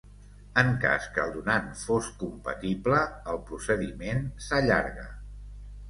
En cas que el donant fos compatible, el procediment s’allarga.